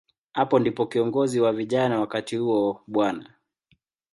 Hapo ndipo kiongozi wa vijana wakati huo, Bw.